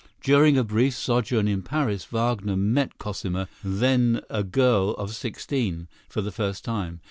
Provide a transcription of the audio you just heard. During a brief sojourn in Paris, Wagner met Cosima, then a girl of sixteen, for the first time.